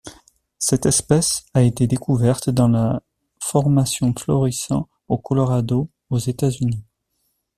Cette espèce a été découverte dans la formation Florissant au Colorado aux États-Unis.